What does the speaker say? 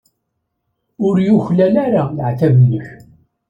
Ur yuklal ara leɛtab-nnek.